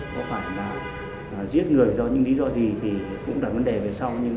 có phải là giết người do những lý do gì thì cũng là vấn đề về sau